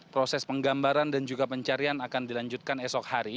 proses penggambaran dan juga pencarian akan dilanjutkan esok hari